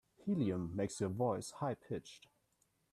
Helium makes your voice high pitched.